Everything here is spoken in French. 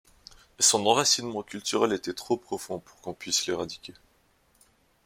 Mais son enracinement culturel était trop profond pour qu'on puisse l'éradiquer.